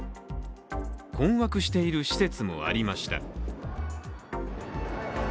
困惑している施設もありました。